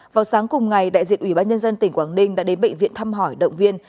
vào sáng cùng ngày đại diện ủy ban nhân dân tỉnh quảng ninh đã đến bệnh viện thăm hỏi động viên